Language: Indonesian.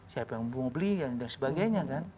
siapa yang mau beli dan sebagainya kan